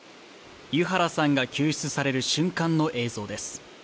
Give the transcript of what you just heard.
湯原さんが救出される瞬間の映像です